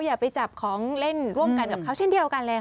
อย่าไปจับของเล่นร่วมกันกับเขาเช่นเดียวกันเลยค่ะ